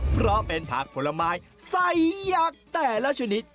เพราะเป็นผักผลไม้ใส่ยักษ์แต่ละชนิด